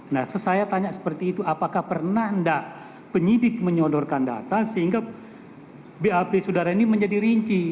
nah saya tanya seperti itu apakah pernah enggak penyidik menyodorkan data sehingga bap saudara ini menjadi rinci